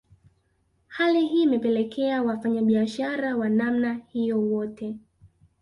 Hali hii imepelekea Wafanyabiashara wa namna hiyo wote